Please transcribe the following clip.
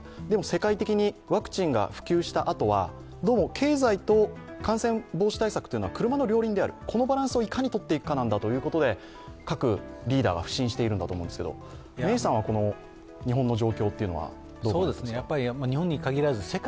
でも世界的にワクチンが普及したあとはどうも経済と感染防止対策は車の両輪である、このバランスをいかにとっていくかなんだということで各リーダーは腐心しているんだと思うんですが、メイさんは日本の状況はどう御覧になりますか？